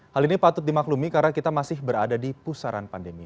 hal ini patut dimaklumi karena kita masih berada di pusaran pandemi